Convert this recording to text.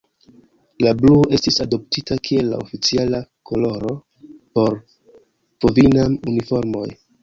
La bluo estis adoptita kiel la oficiala koloro por Vovinam-uniformoj.